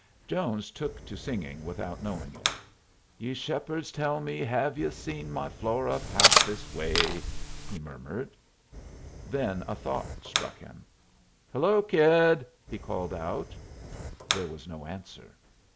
Jones took to singing without knowing it. "'Ye shepherds, tell me, ha ve you seen my Flora pass this way?'" he murmured. Then a thought struck him. "Hello, kid!" he called out. There was no answer.